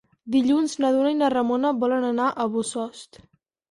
Dilluns na Duna i na Ramona volen anar a Bossòst.